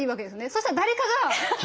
そしたら誰かが。